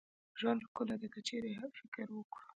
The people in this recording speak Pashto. ژوند ښکلې دي که چيري فکر وکړو